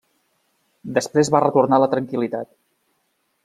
Després va retornar la tranquil·litat.